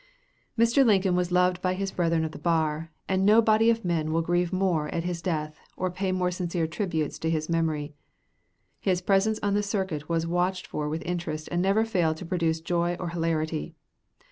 Mr. Lincoln was loved by his brethren of the bar, and no body of men will grieve more at his death, or pay more sincere tributes to his memory. His presence on the circuit was watched for with interest and never failed to produce joy or hilarity.